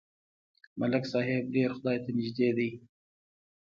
ملک صاحب ډېر خدای ته نږدې دی.